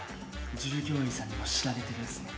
従業員さんにも知られてるんですね。